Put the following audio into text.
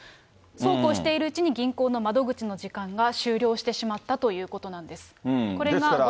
そうこうしているうちに、銀行の窓口の時間が終了してしまったということなんです。